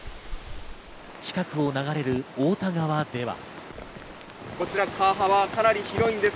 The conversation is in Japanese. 近くを流れる太田川では。